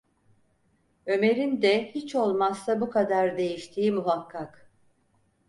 Ömer’in de hiç olmazsa bu kadar değiştiği muhakkak…